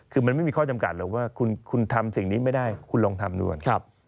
คือมันไม่มีข้อจำกัดหรอกว่าคุณทำสิ่งนี้ไม่ได้คุณลองทำดูก่อน